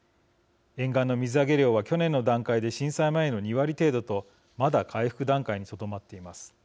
沿岸の水揚げ量は去年の段階で震災前の２割程度とまだ回復段階にとどまっています。